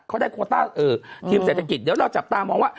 เขาได้โคต้าทีมเศรษฐกิจเดี๋ยวเราจับตามองว่า